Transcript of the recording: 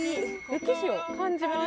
歴史を感じます。